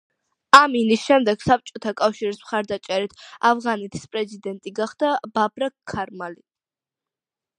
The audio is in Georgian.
ამინის შემდეგ საბჭოთა კავშირის მხარდაჭერით ავღანეთის პრეზიდენტი გახდა ბაბრაქ ქარმალი.